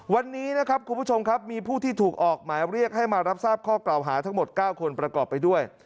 วันนี้นะครับคุณผู้ชมครับมีผู้ที่ถูกออกหมายเรียกให้มารับทราบข้อกล่าวหาทั้งหมด๙คนประกอบไปด้วย